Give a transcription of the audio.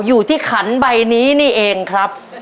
อยู่ที่ขันใบนี้นี่เองครับ